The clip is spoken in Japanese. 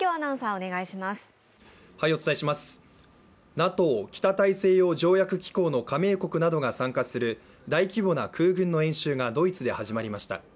ＮＡＴＯ＝北大西洋条約機構の加盟国などが参加する大規模な空軍の演習がドイツで始まりました。